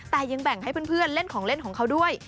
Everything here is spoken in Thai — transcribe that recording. แต่ยังแบ่งให้เพื่อนเล่นของเล่นของเขาด้วย